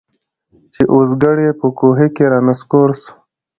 چي اوزګړی په کوهي کي را نسکور سو